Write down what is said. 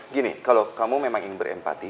gini kalau kamu memang ingin berempati